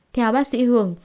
theo bác sĩ hường